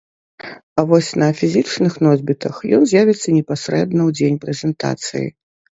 А вось на фізічных носьбітах ён з'явіцца непасрэдна ў дзень прэзентацыі.